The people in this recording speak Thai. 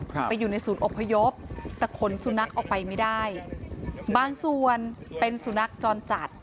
ไปอยู่ในศูนย์อบพยพแต่ขนสุนัขออกไปไม่ได้บางส่วนเป็นสุนัขจรจัด